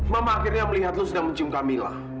mama akhirnya melihat lo sedang mencium camilla